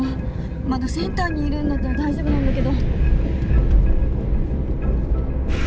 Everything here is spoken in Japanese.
まだセンターにいるんだったら大丈夫なんだけど。